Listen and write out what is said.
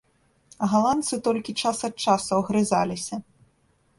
Галандцы толькі час ад часу агрызаліся.